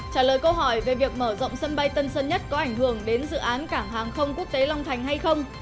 trả lời câu hỏi về việc mở rộng sân bay tân sơn nhất có ảnh hưởng đến dự án cảng hàng không quốc tế long thành hay không